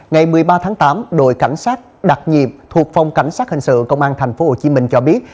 ngày một mươi ba tháng tám đội cảnh sát đặc nhiệm thuộc phòng cảnh sát hình sự công an tp hcm cho biết